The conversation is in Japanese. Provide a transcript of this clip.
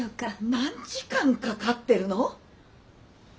何時間かかってるの？